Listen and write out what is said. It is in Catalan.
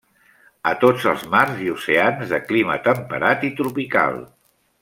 A tots els mars i oceans de clima temperat i tropical.